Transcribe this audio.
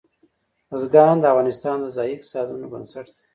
بزګان د افغانستان د ځایي اقتصادونو بنسټ دی.